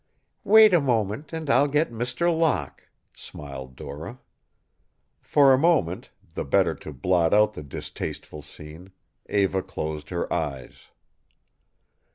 "Wait a moment and I'll get Mr. Locke," smiled Dora. For a moment, the better to blot out the distasteful scene, Eva closed her eyes.